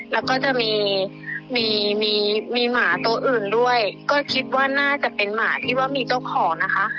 แล้วก็จะมีมีหมาตัวอื่นด้วยก็คิดว่าน่าจะเป็นหมาที่ว่ามีเจ้าของนะคะ